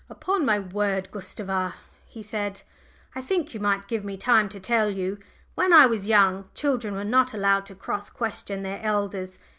"Upon my word, Gustava," he said, "I think you might give me time to tell you. When I was young, children were not allowed to cross question their elders.